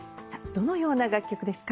どのような楽曲ですか？